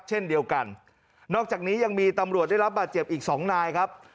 เช่นเดียวกันนอกจากนี้ยังมีตำรวจได้รับบาดเจ็บอีกสองนายครับ